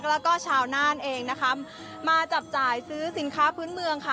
แล้วก็ชาวน่านเองนะคะมาจับจ่ายซื้อสินค้าพื้นเมืองค่ะ